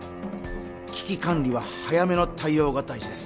危機管理は早めの対応が大事です